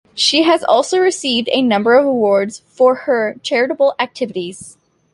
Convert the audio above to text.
She has also received a number of awards for her charitable activities.